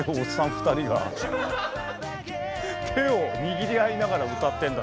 ２人が手を握り合いながら歌ってんだろうね。